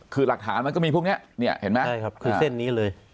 คือหลักฐานมันก็มีพวกนี้เนี่ยเห็นไหมคือเส้นนี้เลย